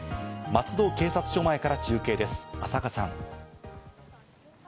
松戸警察署前から中継です、浅賀さん。